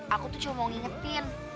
aku tuh cuma mau ngingetin